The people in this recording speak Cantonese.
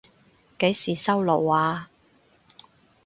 幾時收爐啊？